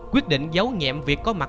quyết định giấu nhẹm việc có mặt